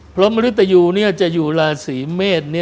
พระมริตยุจะอยู่ลาศรีเมศ